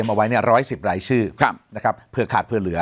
เอาไว้เนี่ยร้อยสิบรายชื่อครับนะครับเผื่อขาดเผื่อเหลือ